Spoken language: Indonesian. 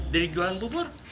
dari jualan bubur